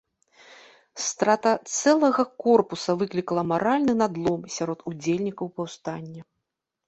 Страта цэлага корпуса выклікала маральны надлом сярод удзельнікаў паўстання.